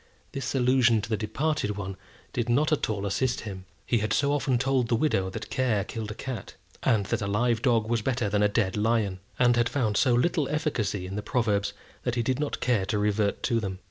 This allusion to the departed one did not at all assist him. He had so often told the widow that care killed a cat, and that a live dog was better than a dead lion; and had found so little efficacy in the proverbs, that he did not care to revert to them.